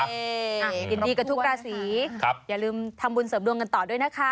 ยินดีกับทุกราศีอย่าลืมทำบุญเสริมดวงกันต่อด้วยนะคะ